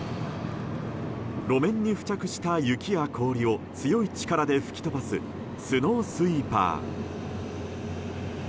路面に付着した雪や氷を強い力で吹き飛ばすスノースイーパー。